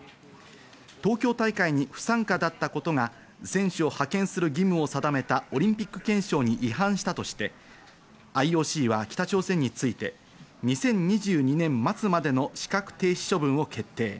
東京大会に不参加だったことが選手を派遣する義務を定めたオリンピック憲章に違反したとして、ＩＯＣは北朝鮮について２０２２年末までの資格停止処分を決定。